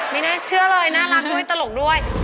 ไม่น่าเชื่อเลยน่ารักด้วยตลกด้วย